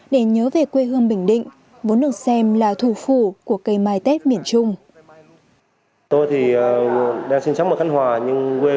để nhớ về quê hương bình định vốn được xem là thủ phủ của cây mai tết miền trung